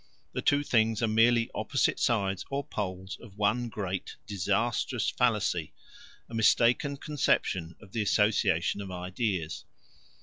The two things are merely opposite sides or poles of one great disastrous fallacy, a mistaken conception of the association of ideas.